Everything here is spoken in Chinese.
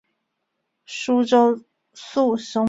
舒州宿松人。